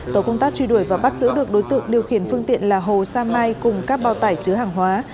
tổ công tác truy đuổi và bắt giữ được đối tượng điều khiển phương tiện là hồ sa mai cùng các bao tải chứa hàng hóa